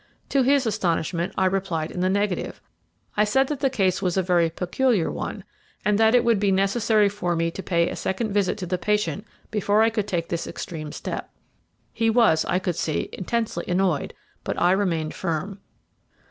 To his astonishment, I replied in the negative. I said that the case was a very peculiar one, and that it would be necessary for me to pay a second visit to the patient before I could take this extreme step. He was, I could see, intensely annoyed, but I remained firm."